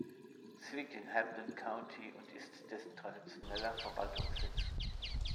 Sie liegt im Hampden County und ist dessen traditioneller Verwaltungssitz.